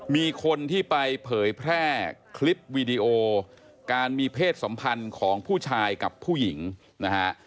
มีคนที่ไปเผยแพร่คลิปวีดีโอการมีเพศสัมพันธ์ของผู้ชายกับผู้หญิงนะฮะ